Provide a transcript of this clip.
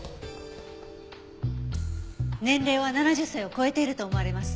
年齢は７０歳を超えていると思われます。